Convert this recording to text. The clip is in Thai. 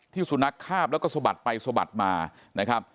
สุนัขคาบแล้วก็สะบัดไปสะบัดมานะครับ